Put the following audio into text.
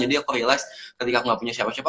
jadi aku realize ketika aku gak punya siapa siapa